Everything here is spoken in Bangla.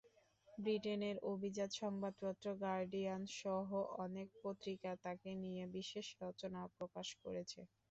ব্রিটেনের অভিজাত সংবাদপত্র গার্ডিয়ানসহ অনেক পত্রিকা তাঁকে নিয়ে বিশেষ রচনা প্রকাশ করেছে।